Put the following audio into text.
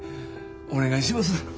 お願いします。